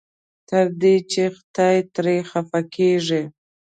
تر دې چې خدای ترې خفه کېږي.